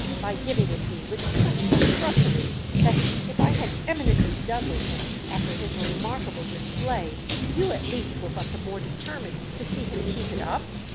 —by giving it me with such effrontery that, if I had eminently done with him after his remarkable display, you at least were but the more determined to see him keep it up?"